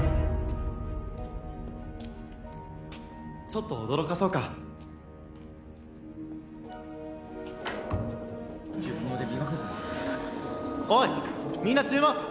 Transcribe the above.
ちょっと驚かそうかおいみんな注目！